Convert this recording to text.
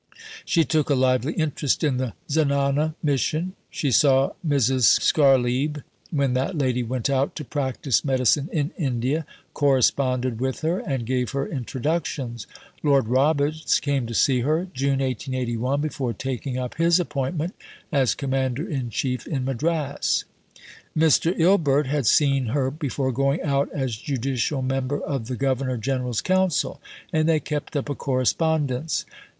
She took a lively interest in the Zenana mission. She saw Mrs. Scharlieb when that lady went out to practise medicine in India, corresponded with her, and gave her introductions. Lord Roberts came to see her (June 1881) before taking up his appointment as Commander in Chief in Madras. Mr. Ilbert had seen her before going out as judicial member of the Governor General's Council, and they kept up a correspondence.